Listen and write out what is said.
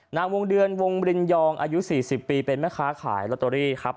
นางวงเดือนวงบรินยองอายุ๔๐ปีเป็นแม่ค้าขายลอตเตอรี่ครับ